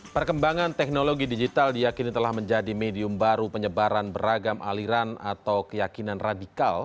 perkembangan teknologi digital diakini telah menjadi medium baru penyebaran beragam aliran atau keyakinan radikal